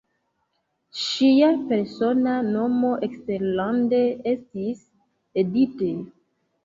Ŝia persona nomo eksterlande estis "Edith".